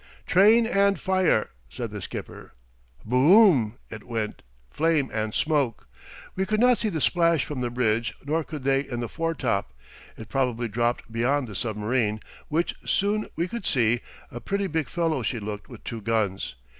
"Train and fire," said the skipper. Bo o m! it went, flame and smoke. We could not see the splash from the bridge, nor could they in the foretop. It probably dropped beyond the submarine, which soon we could see a pretty big fellow she looked with two guns.